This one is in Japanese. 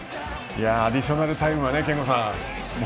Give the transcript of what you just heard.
アディショナルタイムは憲剛さん